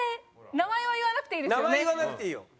名前は言わなくていいですよね？